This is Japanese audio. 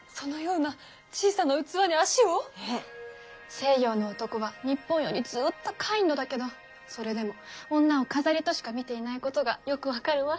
西洋の男は日本よりずっとカインドだけどそれでも女を飾りとしか見ていないことがよく分かるわ。